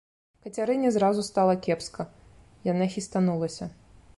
Кацярыне зразу стала кепска, яна хістанулася.